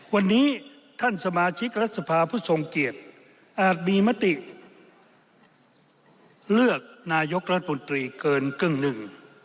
วันนี้ท่านสมาชิกรัฐสภาผู้ทรงเกียจอาจมีมติเลือกนายกรัฐมนตรีเกินครึ่งหนึ่ง